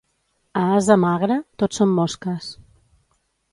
A ase magre, tot són mosques.